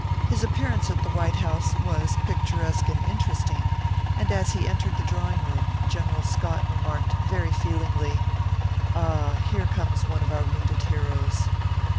His appearance at the White House was picturesque and interesting, and as he entered the drawing room, General Scott remarked, very feel ingly :" Ah ! here comes one of our wounded heroes."